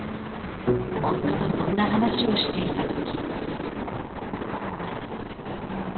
夫とそんな話をしていた時。